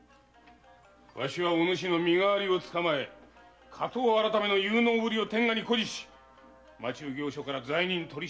わしがおぬしの身代わりを捕まえ火盗改の有能ぶりを天下に誇示し町奉行所から罪人取締の権限を奪い取る。